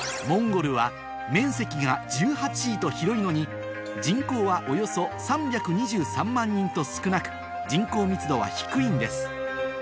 モンゴルは面積が１８位と広いのに人口はおよそ３２３万人と少なく人口密度は低いんです